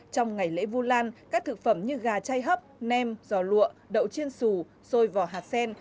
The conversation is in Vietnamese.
trong ngày lễ vu lan các thực phẩm như gà chay hấp nem giò lụa đậu chiên sù sôi vỏ hạt sen